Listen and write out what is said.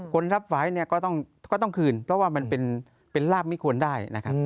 คนรับไฟล์เนี่ยก็ต้องคืนเพราะว่ามันเป็นลาบไม่ควรได้นะครับ